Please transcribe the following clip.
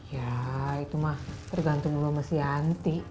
ya itu mah tergantung dulu sama si yanti